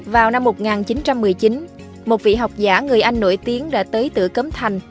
vào năm một nghìn chín trăm một mươi chín một vị học giả người anh nổi tiếng đã tới tựa cấm thành